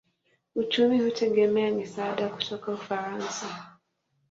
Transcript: Uchumi hutegemea misaada kutoka Ufaransa.